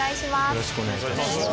よろしくお願いします。